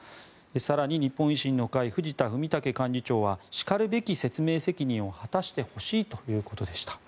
更に、日本維新の会藤田文武幹事長はしかるべき説明責任を果たしてほしいということでした。